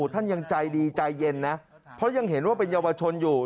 ท่านยังใจดีใจเย็นนะเพราะยังเห็นว่าเป็นเยาวชนอยู่